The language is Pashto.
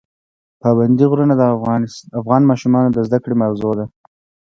پابندی غرونه د افغان ماشومانو د زده کړې موضوع ده.